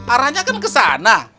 arahnya kan kesana